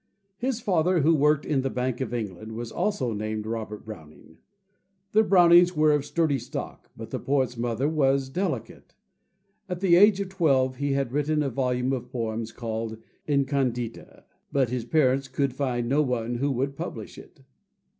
His father, who worked in the Bank of England, was also named Robert Browning. The Brownings were of sturdy stock; but the poet's mother was delicate. At the age of twelve he had written a volume of poems called "Incondita"; but his parents could find no one who would publish it.